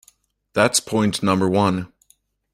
That's point number one.